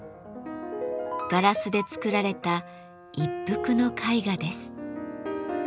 ガラスで作られた一幅の絵画です。